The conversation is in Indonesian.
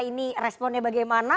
ini responnya bagaimana